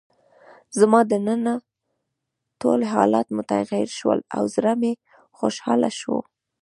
زما دننه ټول حالات متغیر شول او زړه مې خوشحاله شو.